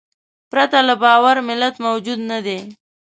پرته له باور ملت موجود نهدی.